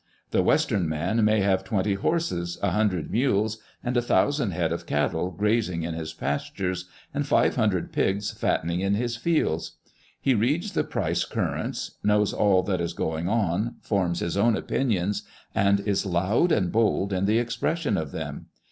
The Western man may have twenty horses, a hundred mules, and a thousand head of cattle grazing in his pastures, and five hundred pigs fattening in his fields. He reads the price currents ; knows all that is going on ; forms his own opinions, and is loud and bold in the expression of them.